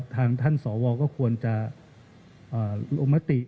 ทางท่านสวก็ควรจะลงมติ